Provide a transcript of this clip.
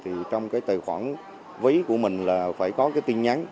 thì trong cái tài khoản ví của mình là phải có cái tin nhắn